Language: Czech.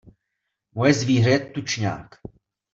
Moje zvíře je tučňák.